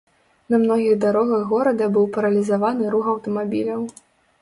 На многіх дарогах горада быў паралізаваны рух аўтамабіляў.